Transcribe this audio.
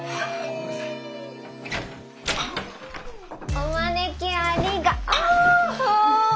お招きありがとう！